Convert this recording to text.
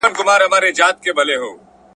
زه مېوې خوړلې ده،